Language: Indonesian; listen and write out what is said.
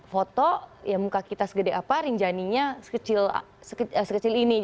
foto ya muka kita segede apa rinjaninya sekecil ini